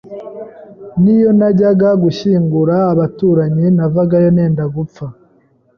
n’iyo najyaga gushyingura abaturanyi navagayo nenda gupfa